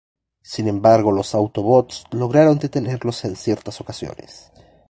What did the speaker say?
Sin embargo los Autobots lograron detenerlos en ciertas ocasiones.